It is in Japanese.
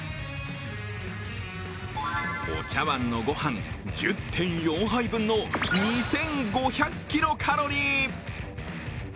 お茶わんのごはん１０．４杯分の２５００キロカロリー。